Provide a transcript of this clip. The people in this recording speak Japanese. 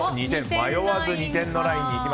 迷わず２点のラインに。